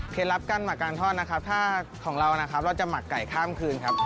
ลับการหมักการทอดนะครับถ้าของเรานะครับเราจะหมักไก่ข้ามคืนครับ